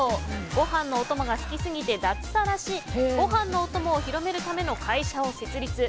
ご飯のお供が好きすぎて脱サラしご飯のお供を広めるための会社を設立。